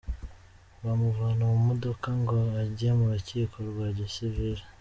Bamuvana mu modoka ngo ajye mu rukiko rwa gisiviri.